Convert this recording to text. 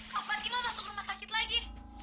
kak fatimah masuk rumah sakit lagi